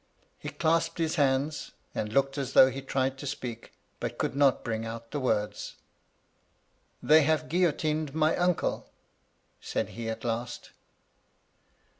"He clasped his hands, and looked as though he tried to speak, but could not bring out the words. ,"' They have guillotined my uncle V said he at last.